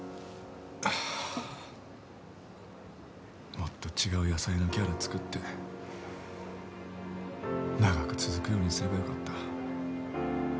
もっと違う野菜のキャラ作って長く続くようにすればよかった。